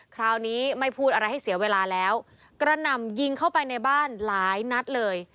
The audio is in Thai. คราวนี้ไม่พูดอะไรให้เสียเวลาแล้วกระหน่ำยิงเข้าไปในบ้านหลายนัดเลย